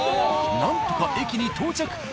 何とか駅に到着。